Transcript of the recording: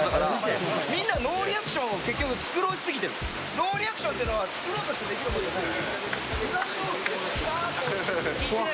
ノーリアクションというのは作ろうとしてできるもんじゃない。